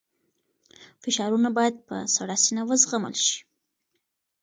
فشارونه باید په سړه سینه وزغمل شي.